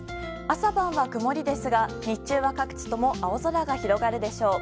朝晩は曇りですが日中は各地とも青空が広がるでしょう。